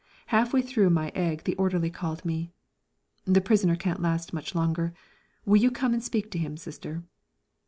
Half way through my egg the orderly called me: "The prisoner can't last much longer. Will you come and speak to him, Sister?"